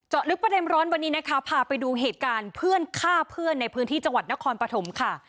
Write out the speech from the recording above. ลึกประเด็นร้อนวันนี้นะคะพาไปดูเหตุการณ์เพื่อนฆ่าเพื่อนในพื้นที่จังหวัดนครปฐมค่ะ